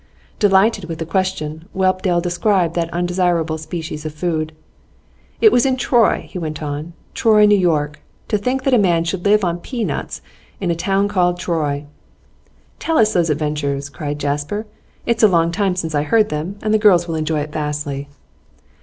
Delighted with the question, Whelpdale described that undesirable species of food. 'It was in Troy,' he went on, 'Troy, N.Y. To think that a man should live on pea nuts in a town called Troy!' 'Tell us those adventures,' cried Jasper. 'It's a long time since I heard them, and the girls will enjoy it vastly.